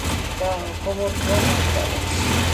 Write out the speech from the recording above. გომორძღუა მარგალებს